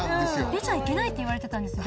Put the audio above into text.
出ちゃいけないって言われてたんですよ